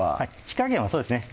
火加減はそうですね